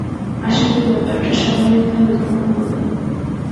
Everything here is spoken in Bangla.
আশা করি ব্যাপারটা স্বাভাবিকভাবে গ্রহণ করবেন।